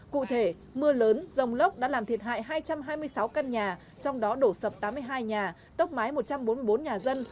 cụ thể mưa lớn rồng lốc đã làm thiệt hại hai trăm hai mươi sáu căn nhà trong đó đổ sập tám mươi hai nhà tốc mái một trăm bốn mươi bốn nhà dân